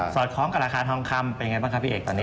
อดคล้องกับราคาทองคำเป็นไงบ้างครับพี่เอกตอนนี้